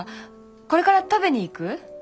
これから食べに行く？